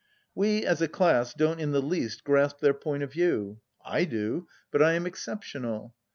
We, as a class, don't in the least grasp their point of view. I do; but I am exceptional.